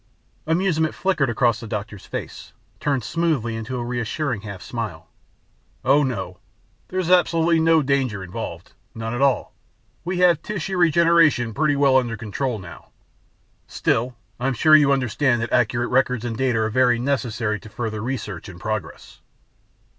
Amusement flickered across the doctor's face, turned smoothly into a reassuring half smile. "Oh, no. There's absolutely no danger involved. None at all. We have tissue regeneration pretty well under control now. Still, I'm sure you understand that accurate records and data are very necessary to further research and progress."